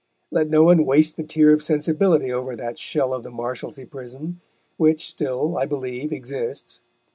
Let no one waste the tear of sensibility over that shell of the Marshalsea Prison, which still, I believe, exists.